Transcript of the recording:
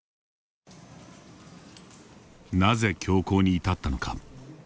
なぜ凶行に至ったのか。